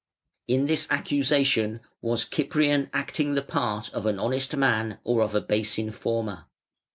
In this accusation was Cyprian acting the part of an honest man or of a base informer?